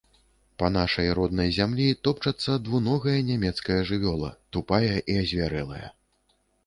Па нашай роднай зямлі топчацца двуногая нямецкая жывёла, тупая і азвярэлая.